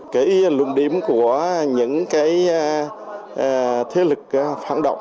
cái luận điểm của những cái thế lực phản động